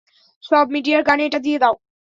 সব মিডিয়ার কানে এটা দিয়ে দাও।